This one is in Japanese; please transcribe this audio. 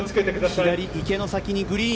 左、池の先にグリーン。